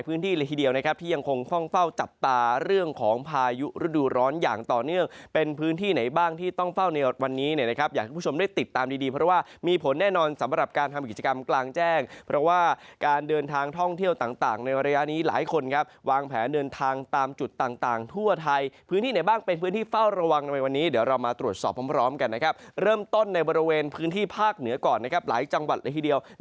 พื้นที่ไหนบ้างที่ต้องเฝ้าในวันนี้นะครับอยากให้ผู้ชมได้ติดตามดีเพราะว่ามีผลแน่นอนสำหรับการทำกิจกรรมกลางแจ้งเพราะว่าการเดินทางท่องเที่ยวต่างในระยะนี้หลายคนครับวางแผนเดินทางตามจุดต่างทั่วไทยพื้นที่ไหนบ้างเป็นพื้นที่เฝ้าระวังในวันนี้เดี๋ยวเรามาตรวจสอบพร้อมกันนะครับเริ่มต้นใน